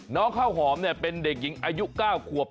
น้องข้าวหอมเนี่ยเป็นเด็กหญิงอายุ๙ขวบ